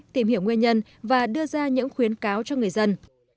tìm hiểu nguyên nhân và đưa ra những khuyến cáo cho người dân